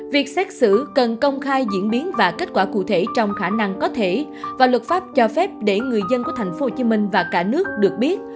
việc xét xử cần công khai diễn biến và kết quả cụ thể trong khả năng có thể và luật pháp cho phép để người dân của tp hcm và cả nước được biết